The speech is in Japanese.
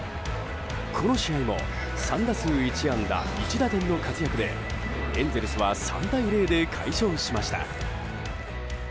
この試合も３打数１安打１打点の活躍でエンゼルスは３対０で快勝しました。